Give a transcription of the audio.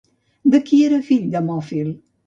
De qui era fill Demòfil?